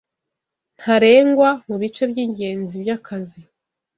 ntarengwa mubice byingenzi byakazi